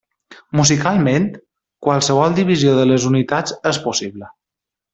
Musicalment, qualsevol divisió de les unitats és possible.